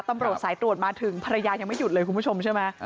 ตำรวจสายตรวจมาถึงภรรยายังไม่หยุดเลยคุณผู้ชมใช่ไหม